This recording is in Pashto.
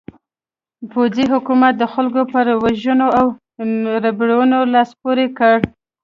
پوځي حکومت د خلکو پر وژنو او ربړونو لاس پورې کړ.